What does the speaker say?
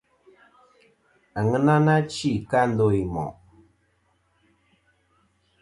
Àŋena nà chi kɨ a ndo i mòʼ.